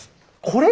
これ？